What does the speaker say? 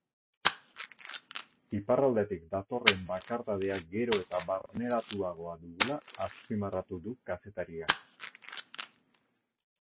Iparraldetik datorren bakardadea gero eta barneratuago dugula azpimarratu du kazetariak.